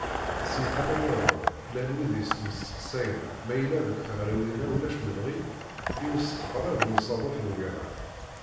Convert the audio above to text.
Si tama-nniḍen, llan wid yettmesteqsayen ma yella deg tiɣriwin-a ulac lebɣi i usexreb n usaḍuf n ugama.